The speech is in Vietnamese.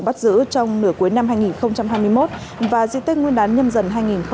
bắt giữ trong nửa cuối năm hai nghìn hai mươi một và di tích nguyên đán nhâm dần hai nghìn hai mươi bốn